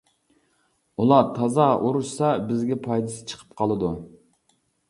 ئۇلار تازا ئۇرۇشسا بىزگە پايدىسى چىقىپ قالىدۇ.